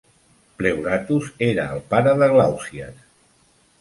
Pleuratus era el pare de Glaucias.